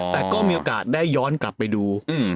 แต่ก็มีโอกาสได้ย้อนกลับไปดู